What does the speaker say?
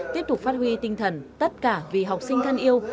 tiếp tục phát huy tinh thần tất cả vì học sinh thân yêu